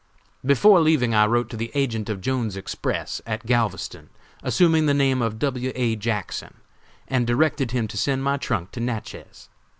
Before leaving, I wrote to the agent of Jones's Express, at Galveston, assuming the name of W. A. Jackson, and directed him to send my trunk to Natchez.